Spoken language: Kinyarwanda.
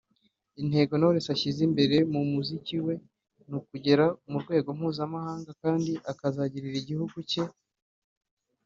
Intego Knowless ashyize imbere mu muziki we ni ukugera ku rwego mpuzamahanga kandi akazagirira igihugu cye